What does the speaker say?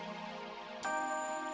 ya aku mau masuk dulu ya